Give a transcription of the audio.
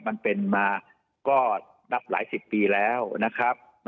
มันเป็นมาก็นับหลายสิบปีแล้วนะครับ